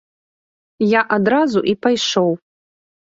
Я адразу і пайшоў.